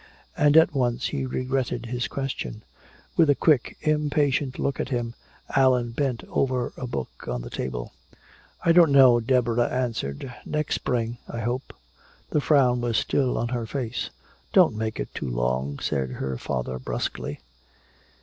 And at once he regretted his question. With a quick impatient look at him, Allan bent over a book on the table. "I don't know," Deborah answered. "Next spring, I hope." The frown was still on her face. "Don't make it too long," said her father brusquely.